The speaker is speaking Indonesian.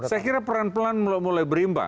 saya kira peran peran mulai berimbang